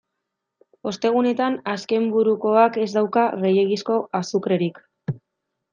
Ostegunetan azkenburukoak ez dauka gehiegizko azukrerik.